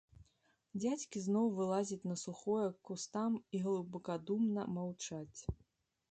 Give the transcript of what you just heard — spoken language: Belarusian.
Дзядзькі зноў вылазяць на сухое к кустам і глыбакадумна маўчаць.